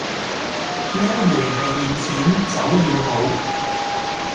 這一回是現錢，酒要好